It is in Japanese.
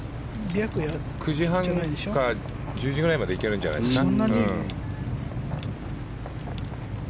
９時半か１０時ぐらいまで行けるんじゃないですか。